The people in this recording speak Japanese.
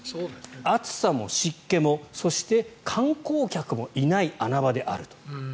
暑さも湿気も、そして観光客もいない穴場であると。